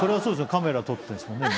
カメラ撮ってるんですもんね。